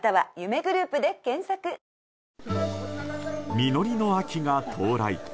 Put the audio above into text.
実りの秋が到来。